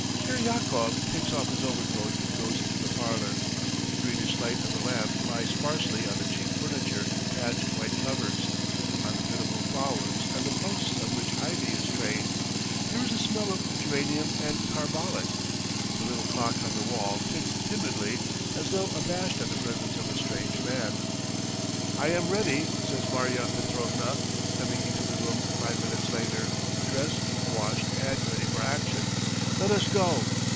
Kiryakov takes off his overcoat and goes into the parlour. The greenish light of the lamp lies sparsely on the cheap furniture in patched white covers, on the pitiful flowers and the posts on which ivy is trained. ... There is a smell of geranium and carbolic. The little clock on the wall ticks timidly, as though abashed at the presence of a strange man. "I am ready," says Marya Petrovna, coming into the room five minutes later, dressed, washed, and ready for action. "Let us go."